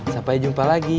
sampai jumpa lagi